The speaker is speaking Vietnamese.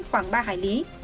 khoảng ba hải lý